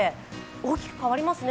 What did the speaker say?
大きく変わりますね。